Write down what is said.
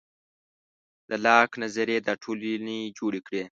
د لاک نظریې دا ټولنې جوړې کړې.